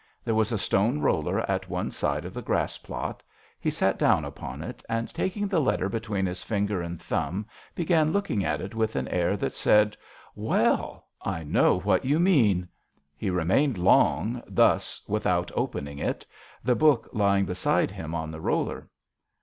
There was a stone roller at one side of the grass plot. He sat down upon it, and taking the letter between his finger and thumb began looking at it with an air that said :" Well ! I know what you mean." He remained long thus without opening it, the book lying beside him on the roller.